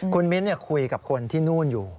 คุณมิ้นท์เนี่ยคุยกับคนที่นู่นอยู่